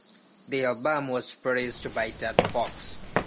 The album was produced by Ted Fox.